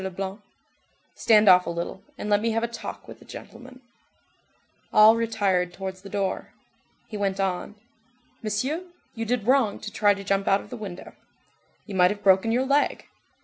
Leblanc:— "Stand off a little, and let me have a talk with the gentleman." All retired towards the door. He went on:— "Monsieur, you did wrong to try to jump out of the window. You might have broken your leg.